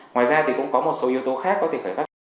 ngoài ra thì cũng có một số yếu tố khác có thể khởi phát